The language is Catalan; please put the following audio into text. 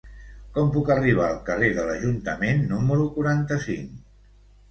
Com puc arribar al carrer de l'Ajuntament número quaranta-cinc?